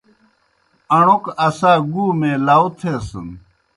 اݨوکوْ اسا گُومے لاؤ تھیسَن۔